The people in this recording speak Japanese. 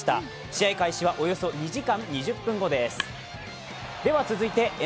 試合開始はおよそ２時間２０分後です